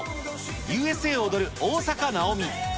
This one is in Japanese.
Ｕ．Ｓ．Ａ．を踊る大坂なおみ。